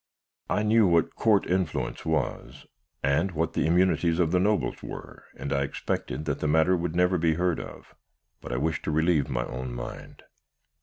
I knew what Court influence was, and what the immunities of the Nobles were, and I expected that the matter would never be heard of; but, I wished to relieve my own mind.